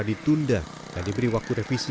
ditunda dan diberi waktu revisi